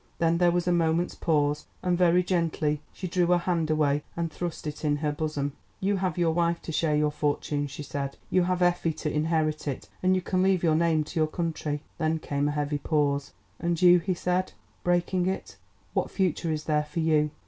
Then there was a moment's pause, and very gently she drew her hand away and thrust it in her bosom. "You have your wife to share your fortune," she said; "you have Effie to inherit it, and you can leave your name to your country." Then came a heavy pause. "And you," he said, breaking it, "what future is there for you?"